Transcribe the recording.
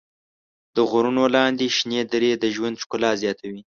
د غرونو لاندې شنې درې د ژوند ښکلا زیاتوي.